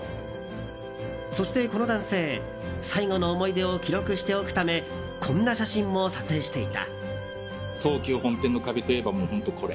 そして、この男性最後の思い出を記録しておくためこんな写真も撮影していた。